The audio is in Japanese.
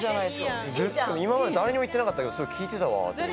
今まで誰にも言ってなかったけど聴いてたわ。